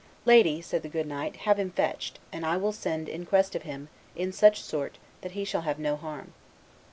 'Lady,' said the good knight, 'have him fetched; and I will send in quest of him in such sort that he shall have no harm.